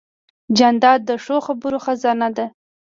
جانداد د ښو خبرو خزانه ده.